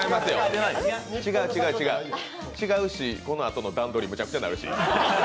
違う違う、違うし、このあとの段取りむちゃくちゃになるし。